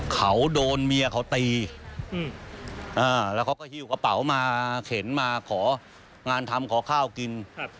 เขาโดนเมียเขาตีแล้วเขาก็หิ้วกระเป๋ามาเข็นมาของานทำขอข้าวกิน